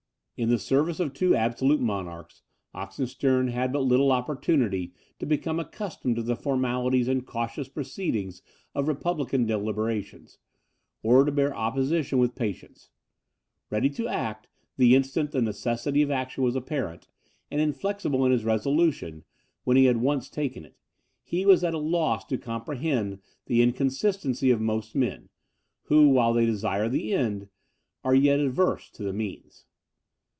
In the service of two absolute monarchs, Oxenstiern had but little opportunity to become accustomed to the formalities and cautious proceedings of republican deliberations, or to bear opposition with patience. Ready to act, the instant the necessity of action was apparent, and inflexible in his resolution, when he had once taken it, he was at a loss to comprehend the inconsistency of most men, who, while they desire the end, are yet averse to the means.